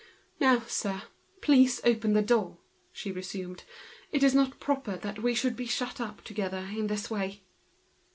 "Now, sir, please open the door," resumed she. "It is not proper to be shut up together in this way."